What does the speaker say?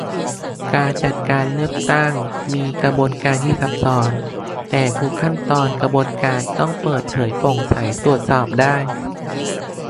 การจัดการเลือกตั้งมีกระบวนการที่ซับซ้อน แต่ทุกขั้นตอนกระบวนการต้องเปิดเผย โปร่งใสตรวจสอบได้